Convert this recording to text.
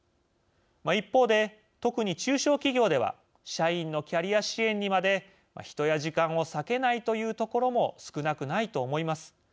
一方で、特に中小企業では社員のキャリア支援にまで人や時間を割けないという所も少なくないと思います。